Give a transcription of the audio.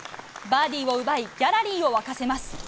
バーディーを奪い、ギャラリーを沸かせます。